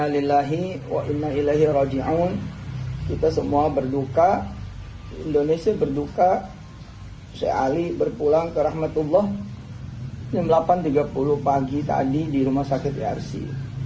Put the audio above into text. sheikh ali berpulang ke rahmatullah jam delapan tiga puluh pagi tadi di rumah sakit yarsi